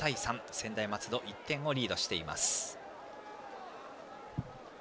専大松戸が１点をリードしています。